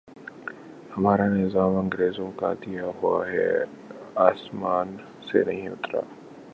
ہمارا نظام انگریزوں کا دیا ہوا ہے، آسمان سے نہیں اترا۔